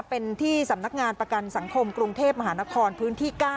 เป็นที่สำนักงานประกันสังคมกรุงเทพมหานครพื้นที่๙